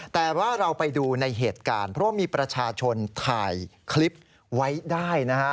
แต่ว่าเราไปดูในเหตุการณ์เพราะมีประชาชนถ่ายคลิปไว้ได้นะฮะ